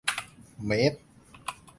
เมตร